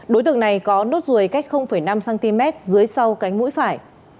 đối tượng này có nốt ruồi cách năm cm dưới sau cánh mũi phải